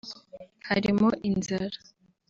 harimo inzara